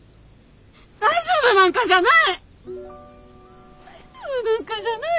大丈夫なんかじゃない。